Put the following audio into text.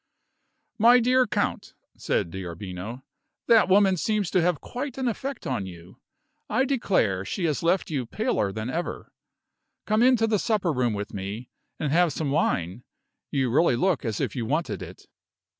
"My dear count," said D'Arbino, "that woman seems to have quite an effect on you. I declare she has left you paler than ever. Come into the supper room with me, and have some wine; you really look as if you wanted it."